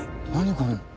これ。